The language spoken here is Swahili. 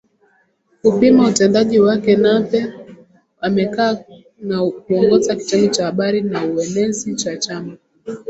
kupima utendaji wakeNape amekaa na kuongoza kitengo cha Habari na Uenezi cha Chama